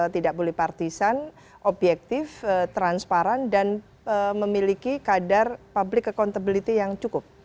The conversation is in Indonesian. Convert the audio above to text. tidak boleh partisan objektif transparan dan memiliki kadar public accountability yang cukup